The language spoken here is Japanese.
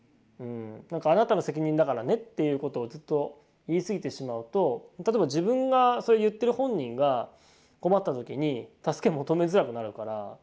あなたの責任だからねっていうことをずっと言い過ぎてしまうと例えば自分がそれ言ってる本人が困った時に助け求めづらくなるから。